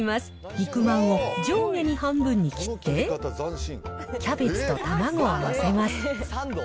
肉まんを上下に半分に切って、キャベツと卵を載せます。